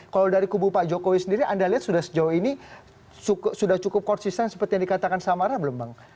kalau dari kubu pak jokowi sendiri anda lihat sudah sejauh ini sudah cukup konsisten seperti yang dikatakan samara belum bang